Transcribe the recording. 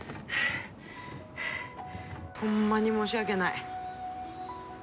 ホンマに申し訳ない。